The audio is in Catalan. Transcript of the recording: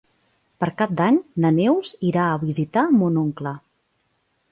Per Cap d'Any na Neus irà a visitar mon oncle.